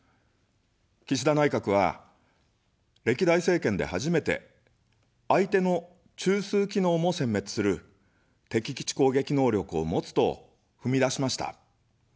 岸田内閣は、歴代政権で初めて、相手の中枢機能もせん滅する敵基地攻撃能力を持つと踏み出しました。